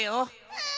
うん。